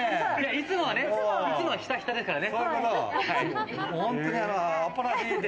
いつもはヒタヒタですからね。